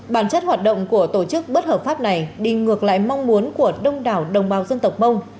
bản chất hoạt động của tổ chức bất hợp pháp này đi ngược lại mong muốn của đông đảo đồng bào dân tộc mông